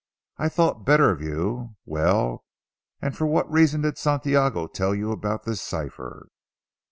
I thought better of you. Well, and for what reason did Santiago tell you about this cipher."